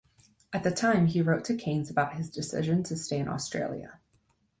At the time he wrote to Keynes about his decision to stay in Australia.